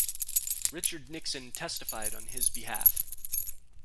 Richard Nixon testified on his behalf.